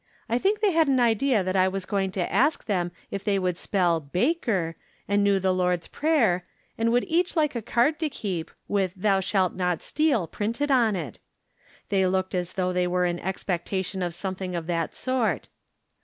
I tliink they had an idea that I was going to ask them if they could spell " baker," and knew the Lord's Prayer, and would each like a card to keep, with " thou shalt not steal " printed on it. They looked as though they were in expectation of something of that sort.